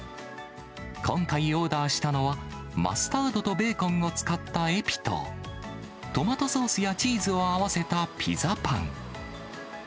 今回オーダーしたのは、マスタードとベーコンを使ったエピと、トマトソースやチーズを合わせたピザパン。